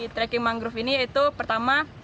trekking mangrove ini itu pertama